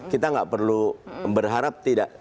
kita nggak perlu berharap tidak